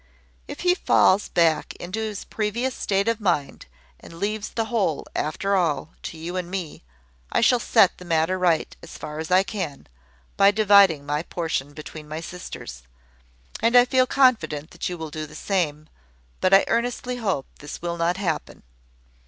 If he falls back into his previous state of mind, and leaves the whole, after all, to you and me, I shall set the matter right, as far as I can, by dividing my portion between my sisters: and I feel confident that you will do the same; but I earnestly hope this will not happen.